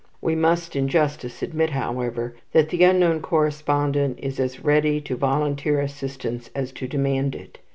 We must in justice admit, however, that the unknown correspondent is as ready to volunteer assistance as to demand it.